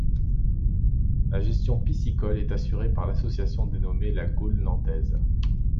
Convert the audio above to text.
La gestion piscicole est assurée par l'association dénommée la Gaule nantaise.